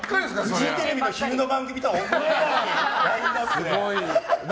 フジテレビの昼の番組とは思えないラインアップで。